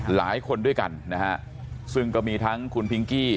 หลายคนด้วยกันนะฮะซึ่งก็มีทั้งคุณพิงกี้